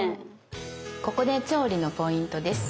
ここで調理のポイントです。